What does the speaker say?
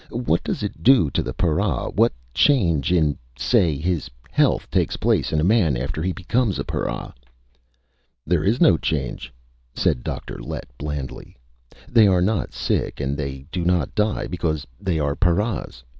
What does it do to a para? What change in ... say ... his health takes place in a man after he becomes a para?" "There is no change," said Dr. Lett blandly. "They are not sick and they do not die because they are paras.